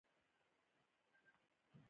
په دې اعتماد سره هلې ځلې کوي.